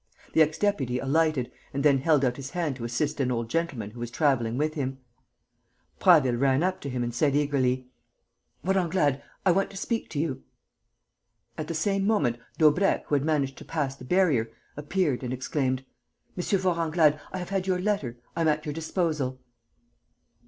The ex deputy alighted and then held out his hand to assist an old gentleman who was travelling with him. Prasville ran up to him and said, eagerly: "Vorenglade ... I want to speak to you...." At the same moment, Daubrecq, who had managed to pass the barrier, appeared and exclaimed: "M. Vorenglade, I have had your letter. I am at your disposal."